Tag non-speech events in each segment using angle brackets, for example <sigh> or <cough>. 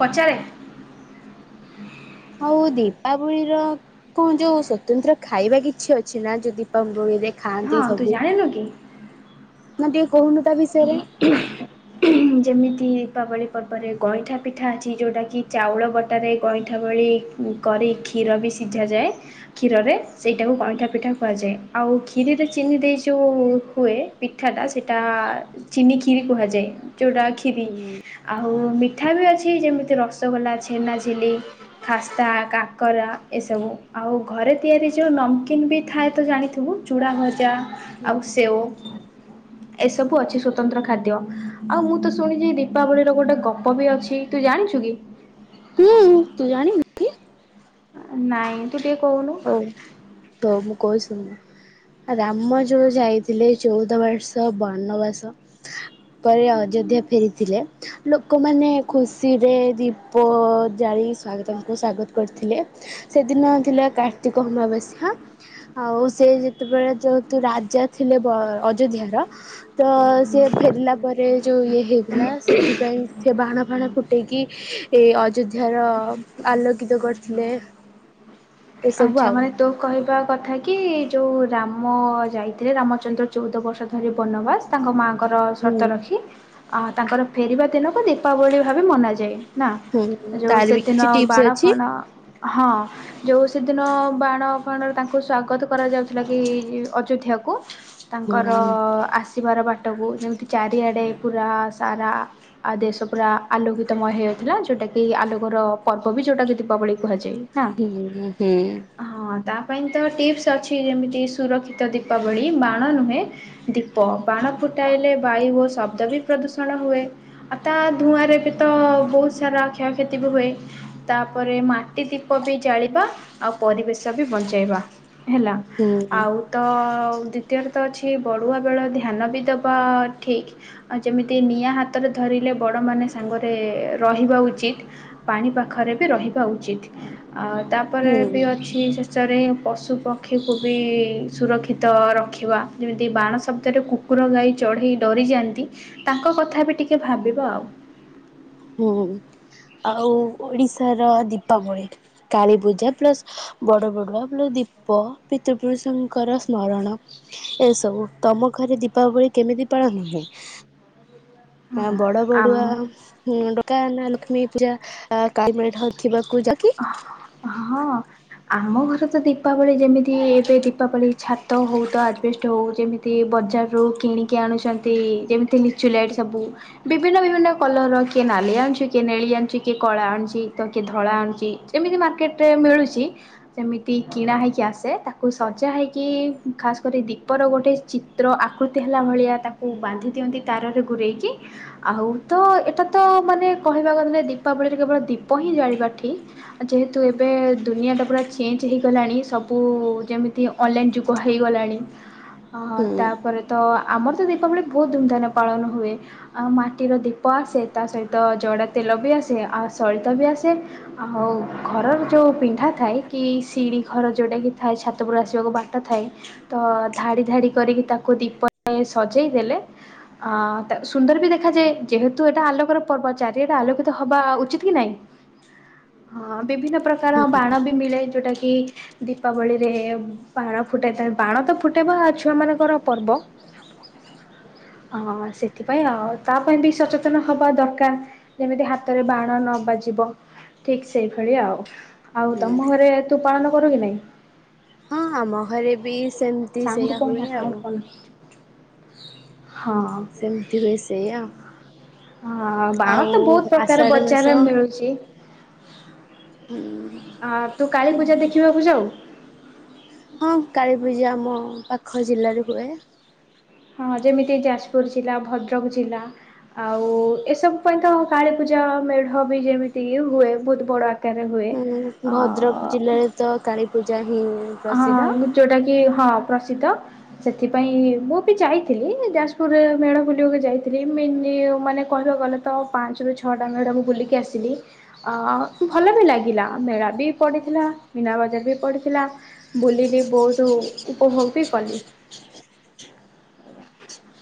ପଚାରେ? ଆଉ ଦୀପାବଳିର କଣ ଯୋଉ ସ୍ୱତନ୍ତ୍ର ଖାଇବା କିଛି ଅଛି ନା ଯୋଉ ଦୀପାବଳିରେ? ଖାଆନ୍ତି ହଁ ତୁ ସବୁ ଜାଣିନୁ କି? ନା ଟିକେ କହୁନୁ ତା ବିଷୟରେ ଯେମିତି ଦୀପାବଳି ପର୍ବରେ ଗଇଁଠା ପିଠା ଅଛି, ଯେଉଁଟାକି ଚାଉଳ ବଟାରେ ଗଇଁଠା ବଳି କରି କ୍ଷୀର ବି ସିଝାଯାଏ, କ୍ଷୀରରେ ସେଇଟାକୁ ଗଇଁଠା ପିଠା କୁହାଯାଏ, ଆଉ ଖିରୀରେ ଚିନି ଦେଇ ଯୋଉ ହୁଏ ପିଠା ଟା ସେଇଟା ଚିନିଖିରୀ କୁହାଯାଏ। ଯେଉଟା ଖିରୀ ଆଉ ମିଠା ବି ଅଛି ଯେମିତି- ରସଗୋଲା, ଛେନା ଝିଲି ସ୍ତା <unintelligible> କାକରା ଏସବୁ ଆଉ ଘରେ ତିଆରି ଯଉ ନମକୀନ୍ ବି ଥାଏ ତ ଜାଣିିଥିବୁ ଚୁଡ଼ା ଭଜା ଆଉ ସେଓ ଏସବୁ ଅଛି ସ୍ଵତନ୍ତ୍ର ଖାଦ୍ୟ ଆଉ ମୁଁ ତ ଶୁଣିଛି ଦୀପାବଳିର ଗୋଟେ ଗପ ବି ଅଛି ତୁ ଜାଣିଛୁ କି? ହୁଁ, ତୁ ଜାଣିନୁ କି? ନାଇଁ ଟିକେ କହୁନୁ। ହଉ, ତ ମୁଁ କହୁଚି ସୁନୁ ରାମ ଯୋଉ ଯାଇଥିଲେ ଚଉଦ ବର୍ଷ ବନବାସ ପରେ ଅଯୋଧ୍ୟା ଫେରିଥିଲେ ଲୋକମାନେ ଖୁସିରେ ଦୀପ ଜାଳି ତାଙ୍କୁ ସ୍ଵାଗତ କରିଥିଲେ। ସେଦିନ ଥିଲା କାଠ ପ୍ରତିକ ଅମାବାସ୍ୟା ଆଉ ସେ ଯେତେବେଳେ ଯେ ହେତୁ ରାଜା ଥିଲେ ଅଯୋଧ୍ୟାର <inaudible> ତ ସିଏ ଫେରିଲା ପରେ ଯେଉଁ ଇଏ ହେଇଥିଲା ସେଥିପାଇଁ ସେ ବାଣ ଫାଣ ଫୁଟାଇକି ଏ ଅଯୋଧ୍ୟାର ଆଲୋକିତ କରିଥିଲେ। ଏସବୁ ଆଛା, ଆଉ ମାନେ ତୋ କହିବା କଥା କି ଯୋଉ ରାମ ଯାଇଥିଲେ, ରାମଚନ୍ଦ୍ର ଚଉଦ ବର୍ଷ ଧରି ବନବାସ, ତାଙ୍କ ମା ତାଙ୍କର ହୁଁ ସର୍ତ୍ତ ରଖି ଆ ତାଙ୍କର ଫେରିବା ଦିନକୁ ଦୀପାବଳି ଭାବେ ମନାଯାଏ। ନା ହୁଁ ଯଉ ତାର ବି ସେଦିନ କିଛି ଟିପ୍ସ ବାଣ ଅଛି ଫାଣ ହଁ ଯଉ ସେଦିନ ବାଣ ଫାଣରେ ତାଙ୍କୁ ସ୍ଵାଗତ କରାଯାଉଛି। ଥିଲା କିି <unintelligible> ଅଯୋଧ୍ୟାକୁ ହୁଁ ତାଙ୍କର ଆସିବାର ବାଟକୁ ଯେମିତି ଚାରିଆଡ଼େ ପୁରା ସାରା ଦେଶ ପୁରା ଆଲୋକିତମୟ ହେଇ ଯାଇଥିଲା ଯୋଉଟା କି ଆଲୋକର ପର୍ବ ବି ଯଉଟା କି ଦୀପାବଳି କୁହାଯାଏ। ନା। ହୁଁ ହୁଁ ହଁ ତା ପାଇଁ ତ ଟିପ୍ସ ଅଛି ଯେମିତି ସୁରକ୍ଷିତ ଦୀପାବଳି- ବାଣ ନୁହେଁ, ଦୀପ -ବାଣ ଫୁଟାଇଲେ ବାୟୁ ଓ ଶବ୍ଦ ବି ପ୍ରଦୂଷଣ ହୁଏ। ଆଉ ତା ଧୂଆଁ ରେ ବି ତ ବହୁତ ସାରା କ୍ଷୟକ୍ଷତି ବି ହୁଏ ତାପରେ ମାଟି ଦୀପ ବି ଜାଳିବା। ଆଉ ପରିବେଶ ବି ବଞ୍ଚାଇବା ହେଲା, ଆଉ ହୁଁ ତ ଆଉ ଦ୍ଵିତୀୟରେ ତ ଅଛି ବଢ଼ୁଆ ବେଳ ଧ୍ୟାନ ବି ଦେବା ଠିକ୍ ଆଉ ଯେମିତି ନିଆଁ ହାତ ରେ ଧରିଲେ ବଡ଼ମାନେ ସାଙ୍ଗରେ ରହିବା ଉଚିତ। ପାଣି ପାଖରେ ବି ରହିବା ଉଚିତ। ଆଉ ତାପରେ ବି ହୁଁ ଅଛି ଶେଷରେ ପଶୁ ପକ୍ଷୀକୁ ବି ସୁରକ୍ଷିତ ତ ରଖିବା ଯେମିତି ବାଣ ଶବ୍ଦରେ କୁକୁର ଗାଈ ଚଢ଼େଇ ଡରିଯାଆନ୍ତି ତାଙ୍କ କଥା ବି ଟିକେ ଭାବିବ ଆଉ ହୁଁ, ଆଉ ଓଡିଶା ତର <unintelligible> ଦୀପାବଳି, କାଳୀପୂଜା ପ୍ଲସ ବଡ଼ ବଡ଼ୁଆ ପ୍ଲ ଦୀପ ପିତୃପରୁଷ ପୁରୁଷଙ୍କର ସ୍ମରଣ ଏସବୁ, ତମ ଘରେ ଦୀପାବଳି କେମିତି ପାଳନ ହୁଏ? ହଁ ବଡ ବଡୁଆ ଆମ ଡକା, ନା ଲକ୍ଷ୍ମୀ ପୂଜା <unintelligible> କା ଥିବା ପୂଜା କି? ହଁ ଆମ ଘରେ ତ ଦୀପାବଳି, ଯେମିତି ଏବେ ଦୀପାବଳି ଛାତ ହଉ ତ ଆଜବେଷ୍ଟ ହଉ ଯେମିତି ବଜାର ରୁ କିଣିକି ଆଣୁଛନ୍ତି, ଯେମିତି ଲିଚୁଲାଇଟ ସବୁ ବିଭିନ୍ନ ବିଭିନ୍ନ କଲର ର କିଏ ନାଲି ଆଣୁଛି, କିଏ ନେଳି ଆଣୁଛି, କିଏ କଳା ଆଣୁଛି ତ କିଏ ଧଳା ଆଣୁଛି ଯେମିତି ମାର୍କେଟରେ ମିଳୁଛି, ଯେମିତି କିଣା ହେଇକି ଆସେ ତାକୁ ସଜା ହୋଇକି ଖାସ୍ କରି ଦୀପର ଗୋଟେ ଚିତ୍ର ଆକୃତି ହେଲା ଭଳିଆ ତାକୁ ବାନ୍ଧି ଦିଅନ୍ତି ତାରରେ ଘୂରେଇକି ଆଉ ତ ଏଇଟା ତ ମାନେ କହିବା ଗଲେ ଦୀପାବଳିରେ କେବଳ ଦୀପ ହିଁ ଜାଳିବା ଠିକ୍ ଯେହେତୁ ଏବେ ଦୁନିଆଟା ପୁରା ଚେଞ୍ଜ୍ ହେଇଗଲାଣି ସବୁ ଯେମିତି ଅନଲାଇନ୍ ଯୁଗ ହୋଇଗଲାଣି ହଁ ହଁ ହୁଁ ତାପରେ ତ ଆମର ତ ଦୀପାବଳି ବହୁତ ଧୁମଧାମ ରେ ପାଳନ ହୁଏ। ଆ ମାଟିର ଦୀପ ଆସ୍ ଆସେ। ତା ସହିତ ଜଡା ତେଲ ବି ଆସେ। ଆ ସଳିତା ବି ଆସେ। ଆଉ ଘରର ଯୋଉ ପିଣ୍ଢା ଥାଏ କି ଶି଼ିଡିଘର ଯୋଉଟାକି ଥାଏ ଛାତ ଉପରୁ ଆସିବାକୁ ବାଟ ଥାଏ ତ ଧାଡି ଧାଡି କରିକି ତାକୁ ଦୀପ ଅ ସଜେଇ ଦେଲେ ଅ ତାକ୍ ସୁନ୍ଦର ବି ଦେଖାଯାଏ ଯେହେତୁ ଏଟା ଆଲୋକର ପର୍ବ ଚାରିଆ ଆଲୋକିତ ହବା ଉଚିତ କି ନାଇଁ ହଁ ବିଭିନ୍ନ ପ୍ରକାର ବାଣ ବି ମିଳେ ଯୋଉଟା କି ଦୀପାବଳିରେ ବାଣ ଫୁଟାଇଥାଏ ବାଣ ତ ଫୁଟେଇବା ଛୁଆମାନଙ୍କର ପର୍ବ। ହଁ ସେଥିପାଇଁ ଆଉ ତା ପାଇଁ ବି ସଚେତନ ହବା ଦରକାର। ଯେମିତି ହାତରେ ବାଣ ନ ବା ଯିବ ଠିକ ସେଇ ଭଳି ଆଉ। ‍ ଆଉ ହୁଁ ତମ ଘରେ ତୁ ପାଳନ କରୁ କି ନାଇଁ? ହଁ ଆମ ଘରେ ବି ସେମିତି ସାଉଣ୍ଡ ସେଇୟା କହନା ହୁଏ ସାଉଣ୍ଡ ଆଉ କହନା। ହଁ ସେମିତି ହୁଏ ସେଇୟା ହଁ ବାଣ ତ ବହୁତ ପ୍ରକାର ମାସ ବଜାରରେ ମିଳୁଚି। ଅ ତୁ କାଳୀ ପୂଜା ଦେଖିବାକୁ ଯାଉ? ହଁ କାଳୀପୂଜା ଆମ ପାଖ ଜିଲ୍ଲାରେ ହୁଏ। ହଁ ଯେମିତି ଯାଜପୁର ଜିଲ୍ଲା ଭଦ୍ରକ ଜିଲ୍ଲା। ଆଉ ଏସବୁ ପାଇଁ ତ କାଳୀ ପୂଜା ମେଢ ବି ଯେମିତି କି ହୁଏ ବହୁତ ବଡ ଆକ୍ କାରରେ ହୁଏ। ହୁଁ ଆ ଆ ଆ ଭଦ୍ରକ ଆ ମ୍ ଜିଲ୍ଲାରେ ତ କାଳୀ ପୂଜା ହିଁ ହଁ ପ୍ରସିଦ୍ଧ। ଅଁ ମୁଁ ଯୋଉଟା କି ହଁ। ପ୍ରସିଦ୍ଧ ସେଥିପାଇଁ ମୁଁ ବି ଯାଇଥିଲି ଯାଜପୁରରେ ମେଢ ବୁଲିବାକୁ ଯାଇଥିଲି ମେନରେ ଇଏ ମାନେ କହିବାକୁ ଗଲେ ତ ପାଞ୍ଚରୁ ଛଅଟା ମେଢ ମୁଁ ବୁଲିକି ଆସିଲି ଅ ଭଲ ବି ଲାଗେ। ଥିଲା। ମେଳା ବି ପଡ଼ିଥିଲା। ମୀନା ବଜାର ବି ପଡ଼ିଥିଲା। ବୁଲିଲି ବହୁତ ଉପଭୋଗ ବି କଲି।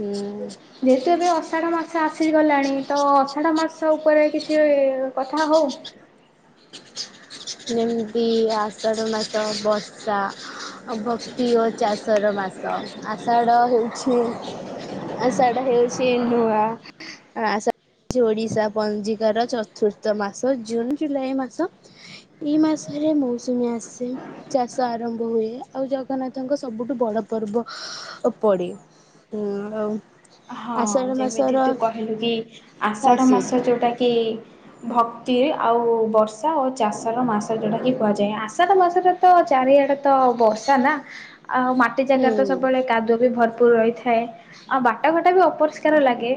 ହୁଁ ଯେହେତୁ ଏବେ ଆଷାଢ଼ ମାସ ସ ଆସିଗଲାଣି ତ ଅଷାଢ ମାସ ଉପରେ କିଛି କଥା ହଉ। ଯେମତି ଆଷାଢ ମାସ ବର୍ଷା। ଅ ଭକ୍ତି ଓ ଚାଷ ର ମାସ। ଆଷାଢ ହେଉଛି ଆଷାଢ ହେଉଛି ନୂଆ। ଆଷାଢ଼ ଓଡିଶା ପଞ୍ଜିକାର ଚତ୍ ତୁର୍ଥ ମାସ। ଜୁନ ଜୁଲାଇ ମାସ। ଏଇ ମାସରେ ମୌସୁମୀ ଆସେ। ଚାଷ ଆରମ୍ଭ ହୁଏ। ଆଉ ଜଗନ୍ନାଥଙ୍କ ସବୁଠୁ ବଡ ପର୍ବ ପଡ଼େ। ହଁ ଆଉ ହଁ ଆଷାଢ଼ ଯେମିତି ମାସର ତୁ କହିଲୁ କି ଆଷାଢ ମାସ ଖାସିୟତ ଯୋଉଟା କି ଭକ୍ତି ଆଉ ବର୍ଷା ଓ ଚାଷର ମାସ ଯୋଉଟାକି କୁହାଯାଏ। ଆଷାଢ଼ ମାସରେ ତ ଚାରିଆଡ଼େ ତ ବ ର୍ଷା ନା ଆଉ ମାଟି ଜାଗାରେ ତ ହୁଁ। ସବୁବେଳେ କାଦୁଅ ବି ଭରପୁର ରହିଥାଏ। ଆଉ ବା ଟ ଘାଟ ବି ଅପରିଷ୍କାର ଲାଗେ।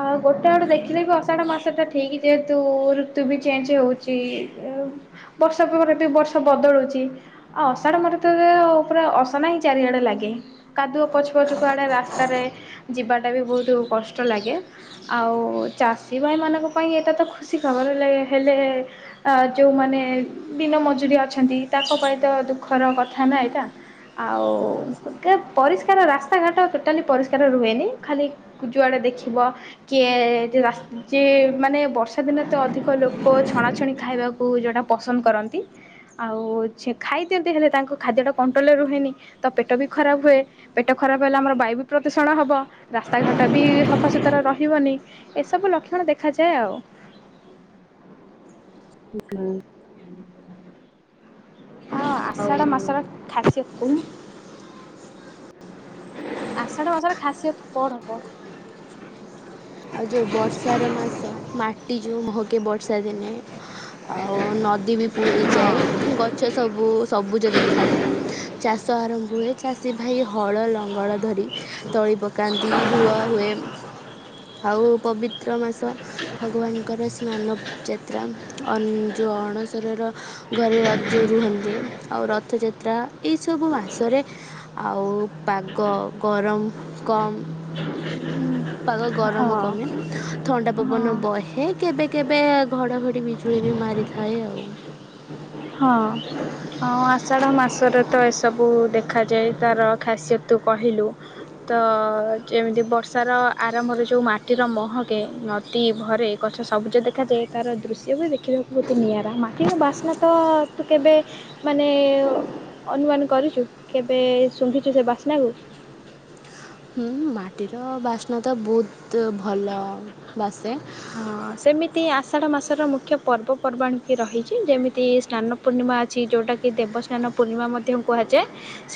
ଆଉ ଗୋଟେ ଆଡୁ ଦେଖ ଥିଲେ ବି ଅଷାଢ଼ ମାସଟା ଠିକ୍ ଯେହେତୁ ଋତୁ ବି ଚେଞ୍ଚ ହଉଚି। ଉଁ ବର୍ଷ ପରେ ବେଟେ ବର୍ଷ ବଦଳୁଚି ଆଉ ଅଷାଢ ମା <unintelligible> ପୁରା ଅସନା ହିଁ ଚାରିଆଡେ ଲାଗେ। କାଦୁଅ ପଚ ପଚ କୁ ଆଡେ ରାସ୍ତାରେ ଯିବାଟା ବି ବହୁତ କଷ୍ଟ ଲାଗେ ଆଉ ଚା ଚାଷୀ ଭାଇମାନଙ୍କ ପାଇଁ ଏଇଟା ତ ଖୁସି ଖବର ହେଲେ ହେଲେ ଆ ଯୋଉମାନେ ଦିନ ମଜୁରୀଆ ଅଛନ୍ତି ତାଙ୍କ ପାଇଁ ତ ଦୁଃଖର କଥା ନା ଏଟା। ଆଉ ପୁଗା ପରିଷ୍କାର ରାସ୍ତା ଘାଟ ଟୋଟାଲି ପରିଷ୍କାର ରୁହେନି ନି ଯୁଆଡେ ଦେଖିବ କିଏ ଯୋଉ ରାସ୍ ଯିଏ ମାନେ ବର୍ଷା ଦିନେ ତ ଅଧିକ ଲୋକ ଲୋକ ଛଣାଛଣି ଖାଇବାକୁ ଯୋଉଁଟା ପସନ୍ଦ କରନ୍ତି ଆଉ ଛି ଖାଇ ଦିଅନ୍ତି ହେଲେ ତାଙ୍କୁ ଖାଦ୍ୟଟାକ୍ କଣ୍ଟ୍ରୋଲରେ ରୁହେନି ତ ପେଟ ବି ଖରାପ ହୁଏ ପେଟ ଖରାପ ହେଲେ ଆମର ବାୟୁ ବି ପ୍ରଦୂଷଣ ହବ। ରାସ୍ତା ଘାଟା ବି ସଫାସୁତରାା ରହିବନି ଏସବୁ ଲକ୍ଷଣ ଦେଖାଯାଏ ଆଉ <inaudible> ହୁଁ ହଁ ଆଉ ଆଷାଢ ମାସର ଖାସି୍ୟତ କୁହି ଆଷଢ ମାସଢ ଖାସିତ କଣ ହବ? ଆଉ ଯେଉଁ ବର୍ଷାର ମାସ ମାଟି ଯେଉଁ ମହକେ ବର୍ଷା ଦିନେ ଆଉ ନଦୀ ବି ପୁରିଯାଏ ଗଛ ସବୁ ସବୁଜ ଦେଖାଯାଏ ଚାଷ ଆରମ୍ଭ ହୁଏ ଚାଷୀ ଭାଇ ହଳ ଲଙ୍ଗଳ ଧରି ତଳି ପକାନ୍ତି ରୁଆ ହୁଏ। ଆଉ ପବିତ୍ର ମାସ ଭଗବାନଙ୍କର ସ୍ନାନ ଯାତ୍ରା ଅନୁଯାଇ ଯେଉଁ ଅଣସରର ଘରେ ରଜ ରୁହନ୍ତି ଆଉ ରଥଯାତ୍ରା ଏଇସବୁ ମାସରେ ଆଉ ପାଗ ଗରମ କମ୍ ହ <inaudible> ପାାଗ ଗରମ କମେ ଥଣ୍ଡା ପବନ ହଁ ବହେ କେବେ କେବେ ଘଡାଘଡି ବିଜୁଳି ବି ମାରିଥାଏ ଥାଏ। ହୁଁ ହ <inaudible> ହଁ ହଁ ଆଷାଢ ମାସରେ ତ ଏସବୁ ଦେଖାଯାଏ ତାର ଖାସତ କହିଲୁ ତ ଯେମିତି ବର୍ଷାର ଆରମ୍ଭରେ ଯେଉ ମାଟିର ମହକେ ଅତି ଘରେ ଗଛ ସବୁଜ ଦେଖାଯାଏ ତାର ଦୃଶ୍ୟ ବି ଦେଖିବାକୁ ବ ନିଆରା ମାଟିର ବାସ୍ନା ତ ତୁ କେବେ ମାନେ ଅନୁମାନ କରୁଛୁ କେବେ ଶୁଧିଛୁ ସେ ବାସ୍ନା ସ୍ଣ <inaudible> ହୁଁ ମାଟିର ବାସ୍ନା ତ ବହୁତ ଭଲ ବାସେ ହଁ ସେମିତି ଆଷାଢ ମାସର ମୁଖ୍ୟ ପର୍ବପର୍ବାଣ କି ରହିଛି ଯେମିତି ସ୍ନାନ ପୂର୍ଣ୍ଣିମା ପୂଣିମା ଅଛି ଯୋଉଟା କି ଦେବସ୍ନାନ ପୂର୍ଣ୍ଣିମା ମଧ୍ୟ କୁହାଯାଏ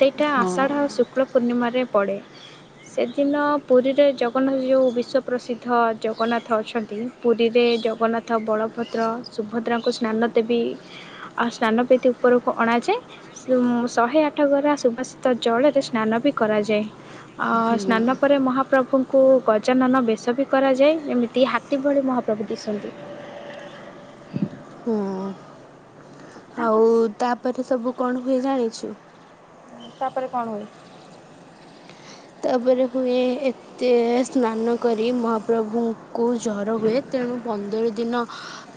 ସେଇଟା ହଁ ଆଷାଢ଼ ଆଉ ଶୁକ୍ଳ ପୂର୍ଣ୍ଣିମାରେ ପଡ଼େ ସେଦିନ ପୁରୀରେ ଜଗନ୍ନାଥ ଯେଉଁ ବିଶ୍ୱପ୍ର୍ରସିଦ୍ଧ ଜଗନ୍ନାଥ ଅଛନ୍ତି ପୁରୀରେ ଜଗନ୍ନାଥ ବଳଭଦ୍ର ସୁଭଦ୍ରାଙ୍କୁ ସ୍ନାନ ଦେବି ଆଉ ସ୍ନାନ ଉପରକୁ ଅଣାଯାଏ ଶହେ ଆଠ ଗରା ସୁବାସିିତ ଜଳରେ ସ୍ନାନ ବି କରାଯାଏ ଅ ହୁଁ। ସ୍ନାନ ପରେ ମହାପ୍ରଭୁଙ୍କୁ ଗଜାନନ ବେଶ ବି କରାଯାଏ ଯେମିତି କିଭଳି ମହାପ୍ରଭୁ ଦିଶନ୍ତି ହୁଁ ଆଉ ତାପରେ ସବୁ କଣ ହୁଏ ଜାଣିଛୁ ତାପରେ କଣ ହୁଏ ତାପରେ ହୁଏ ଏତେ ସ୍ନାନ କରି ମହାପ୍ରଭୁଙ୍କୁ କେଉଁ ଜର ହୁଏ ତେଣୁ ବ ଦଳ ଦିନ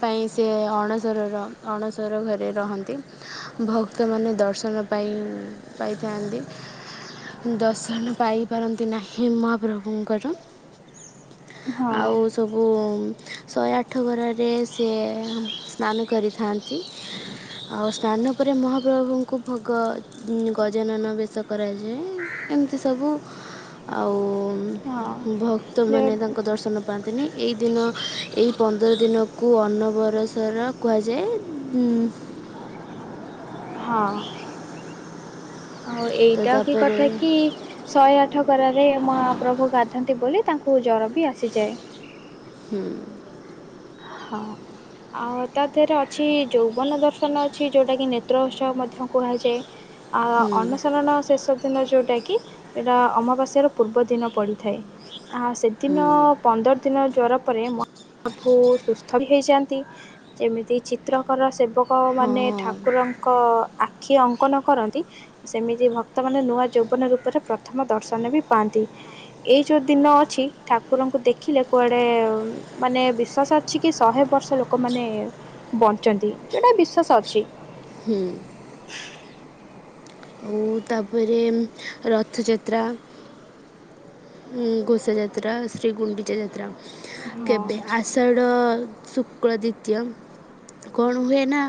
ପାଇଁ ସେ ଅଣସରର ଅଣସର ଘରେ ରହନ୍ତି ଭକ୍ତ ଲୋକମାନେ ଦର୍ଶନ ପାଇଁ ପାଇଥାନ୍ତି ଦର୍ଶନ ପାଇପାରନ୍ତି ନାହିଁ ମହାପ୍ରଭୁଙ୍କର ହଁ। ଆଉ ସବୁ ଶହେ ଆଠ ଘର ରେ ସେ ସ୍ନାନ କରିଥାନ୍ତି ଆଉ ସ୍ନାନ ପରେ ମହା ହାପ୍ରଭୁଙ୍କୁ ଭୋଗ ଗଜାନନ ବେଶ କରାଯାଏ। ଏମିତି ସବୁ ଆଉ ହଁ। ଯେ ଭକ୍ତମାନେ ତାଙ୍କୁ ଦର୍ଶନ ପାଆନ୍ତିନି ଏ ଦିନ ଏ ପନ୍ଦର ଦିନକୁ ଅନନବରସର କୁହାଯାଏ ହଁ। ଆଉ ତ ଏଇଟା କି ତା'ପରେ କଥା କି ଶହେ ଆଠ କର। ରେ ମହା ପ୍ର୍ରଭୁ ଗାଧନ୍ତି ବୋଲି ତାଙ୍କୁ ଜର ବି ଆସିଯାଏ। ହୁଁ। ହଁ। ଆଉ ତା ଦେହରେ ଅଛି ଯୌବନ ଦର୍ଶନ ଅଛି ଯେଉଟା କିି ନେତ୍ର ଉତ୍ସବ ମଧ୍ୟ କୁହାଯାଏ। ଆ ହୁଁ ଅନସରଣ ଶେଷ ଦିନ ଯୋଉଟା କି। କି ଏଇଟା ଅମାବାସ୍ୟାର ପୂର୍ବ ଦିନ ପଡ଼ିଥାଏ। ଆ ସେଦିନ ହୁଁ ପନ୍ଦର ଦିନ ଜ୍ଵର ପରେ ମ ଭୁ ସୁସ୍ଥ ବି ହେଇଯାନ୍ତି ଯେମିତି ଚିତ୍ରକର ସେବ କଁ ହଁ ମାନେ ଠାକୁରଙ୍କ ଆ କିଏ ଅଙ୍କନ କରନ୍ତି ସେମିତି ଭକ୍ତମାନେ ନୂଆ ଯୌବନ ରୂପରେ ପ୍ରଥମ ଦର୍ଶନ ବି ପାଆନ୍ତି। ଏଇ ଯୋଉ ଦିନ ଅଛି ଠାକୁରଙ୍କୁ ଦେଖିଲେ କୁଆଡେ ମାନେ ବିଶ୍ଵାସ ଛିକି ଶହେ ବର୍ଷ ଲୋକମାନେ ବଞ୍ଚନ୍ତି ଏଟା ବିଶ୍ଵାସ ଅଛି। ହୁଁ। ମୁଁ ତା ପରେ ରଥ ଯାତ୍ରା ହଁ ଘୋସା ଯାତ୍ରା ଶ୍ରୀଗୁଣ୍ଡିଚା ଯାତ୍ରା। ହଁ। କେବେ ଆଷାଢ଼ ଶୁକ୍ଳ ଦ୍ଵିତୀୟ କଣ ହୁଏ ନା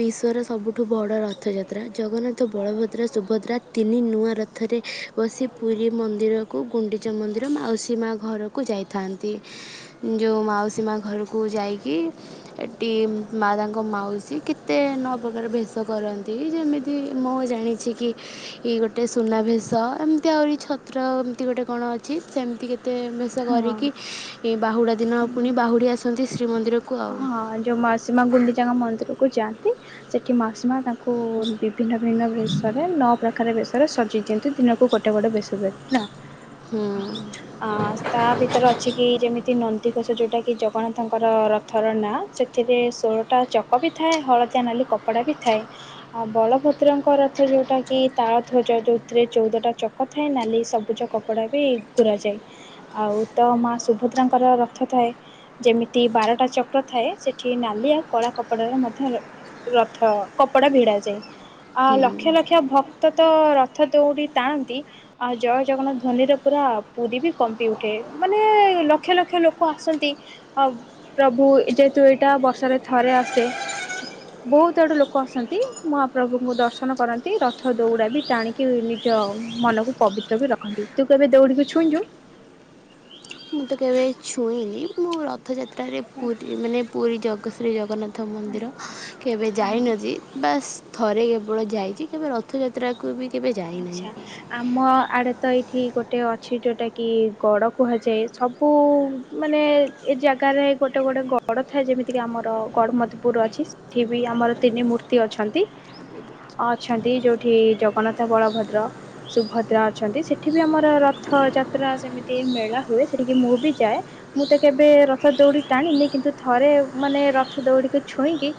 ବିଶ୍ଵର ସବୁଠୁ ବଡ ରଥଯାତ୍ରା ଜଗନ୍ନାଥ ବଳଭଦ୍ର ସୁଭଦ୍ରା ତିନି ନୂଆ ରଥରେ ବସି ପୁରୀ ମନ୍ଦିରକୁ ଗୁଣ୍ଡିଚା ମନ୍ଦିର ମାଉସୀ ମା ଘରକୁ ଯାଇଥାନ୍ତି ଯେଉଁ ମାଉସୀ ମା ଘରକୁ ଯାଇକି ଏଠି ମା ତାଙ୍କ ମାଉସୀ କେତେ ନଆ ପ୍ରକାର ଭେଷ କରନ୍ତି ଯେମିତି ମୁଁ ଜାଣି ଛି କି ଗୋଟେ ସୁନାଭେଶ ଏମିତି ଆହୁରି ଛତ୍ର ଏମିତି ଗୋଟେ କଣ ଅଛି ସେମିତି କି ତେ ଭେଶ ହଁ କରିକି ଏ ବାହୁଡ଼ା ଦିନ ପୁଣି ବାହୁଡ଼ି ଆସନ୍ତି ଶ୍ରୀମନ୍ଦିରକୁ ଆଉ ହଁ ଯୋଉ ମାଉସୀ ମା ଗୁଣ୍ଡିଚା ମନ୍ଦିର କୁ ଯାଆନ୍ତି ସେଠି ମାଉସୀ ମା ତାଙ୍କୁ ବିଭିନ୍ନ ଭିନ୍ନ ବେଶରେ ନଅ ପ୍ରକାର ବେଶରେ ସଜେଇ ଦି କିୁନ୍ତୁ ଦିନକୁ ଗୋଟେ ଗୋଟେ ବେଶ ଧରି ନା ହୁଁ ଆଁ ତା ଭିତରେ ଅଛି କି ଯେମି ତି ନନ୍ଦିଘୋଷ ଯୋଉଟା କି ଜଗନ୍ନାଥଙ୍କର ର ଥ ର ନାଁ ସେଥିରେ ଷୋଳଟା ଚକ ବି ଥାଏ ହଳଦିଆ ନାଲି କପଡ଼ା ବି ଥାଏ ଆଉ ବଳ ଭଦ୍ରଙ୍କ ରଥ ଯୋଉଟା କି ତାଳଧ୍ୱଜ ଯଉଥିରେ ଚଉଦ ଟା ଚକ ଥାଏ ନାଲି ସବୁଜ କପଡା ବି ତୁରା ଯାଏ ଆଉ ତ ମା ସୁଭଦ୍ରାଙ୍କର ରଥ ଥାଏ ଯେମତି ବାର ଟା ଚକ୍ର ଥାଏ ସେଠି ନାଲିଆ କଳା କପଡ଼ାର ମଧ୍ୟ ରଥ କପଡ଼ା ଭିଡ଼ାଯାଏ। ଅ ହୁଁ ଲକ୍ଷ ଲକ୍ଷ ଭକ୍ କ୍ତ ତ ରଥ ଦୌଡ଼ି ଟାଣନ୍ତି ଆଉ ଜୟ ଜଗନ୍ନାଥ ଧ୍ୱନିରେ ପୁରା ପୁରୀ ବି କମ୍ପି ଉଠେ ମାନେ ଲକ୍ଷ ଲକ୍ଷ ଲୋକ ଆସନ୍ତି ଆଉ ପ୍ରଭୁ ଯେହେତୁ ଏଇଟା ବର୍ଷାରେ ଥରେ ଆସେ ବହୁତୁ ଆଡୁ ଲୋକ ଆସନ୍ତି ମହାପ୍ରଭୁଙ୍କୁ ଦର୍ଶନ କରନ୍ତି ରଥ ଦୌଡା ବି ଟାଣିକି ବି ନିଜ ମନକୁ ପବିତ୍ର ବି ରଖନ୍ତି। ତୁ କେବେ ଦୌଡିିକି ଛୁଇଁଚୁ? ମୁଁ ତ କେବେ ଛୁଇଁନି ମୁଁ ରଥଯାତ୍ରାରେ ଆଚ୍ଛା ପୁରୀ ମାନେ ପୁରୀ ଜଗ ଶ୍ରୀ ଜଗନ୍ନା ଥ ମନ୍ଦିର କେବେ ହଁ। ଯାଇନଜି ବାସ୍ ଥରେ କେବଳ ଯାଇଛି କେବେ ରଥଯାତ୍ରାକୁ ବି କେବେ ଆଛା ଯାଇନାହିଁ ଆମ ଆଡେ ତ ଏଇଠି ଗୋଟେ ଅଛି ଯୋଉଟା କି ଗଡ କୁହାଯାଏ ସବୁ ମାନେ ଏ ଜାଗା ଟାରେ ଗୋଟେ ଗୋଟେ ଗଡ଼ ଥାଏ ଯେମିତିକି ଆମର ଗଡ଼ମଧୁପୁରୁ ଅଛି ସେଠି ବି ଆମର ତିନି ମୂର୍ତ୍ତି ଅଛ ଅନ୍ତି ଅଛନ୍ତି ଯୋଉଠି ଜଗନ୍ନା ବଳଭଦ୍ର ସୁଭଦ୍ରା ଅଛନ୍ତି ସେଠି ବି ଆମର ରଥଯାତ୍ରା ସେମିତି ମେଳା ହୁଏ ସେ ମୁଁ ବି ଯାଏ ମୁଁ ତ କେବେ ରଥ ଦୌଡି ଟାଣିନି କିନ୍ତୁ ଥରେ ମାନେ ରଥ ଦୌକୁ ଛୁ କହିଁକି?